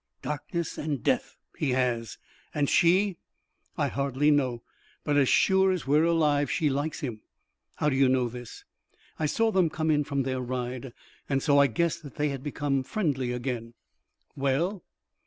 "Darkness and death, he has! And she?" "I hardly know; but as sure as we are alive, she likes him." "How do you know this?" "I saw them come in from their ride, and so I guessed that they had become friendly again." "Well?"